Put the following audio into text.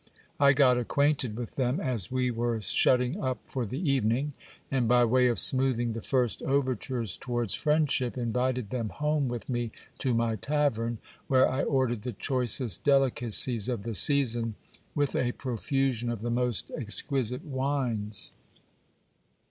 I got acquainted with them as we were shutting up for the evening ; and, by way of smoothing the first overtures towards friendship, invited them home with me to my tavern, where I ordered the choicest delicacies of the season, with a profusion of the most ex quisite wines.